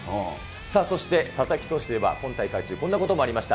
そして佐々木投手といえば、今大会中こんなこともありました。